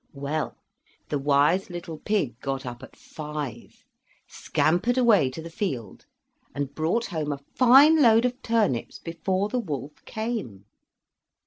Well, the wise little pig got up at five, scampered away to the field, and brought home a fine load of turnips before the wolf came.